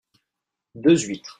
Deux huîtres.